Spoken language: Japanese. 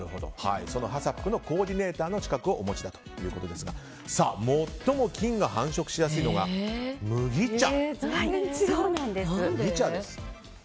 そのＨＡＣＣＰのコーディネーターの資格をお持ちだということですが最も菌が繁殖しやすいのが麦茶。